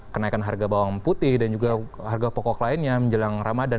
kenaikan harga bawang putih dan juga harga pokok lainnya menjelang ramadan